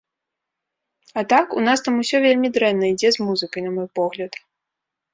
А так, у нас там усё вельмі дрэнна ідзе з музыкай, на мой погляд.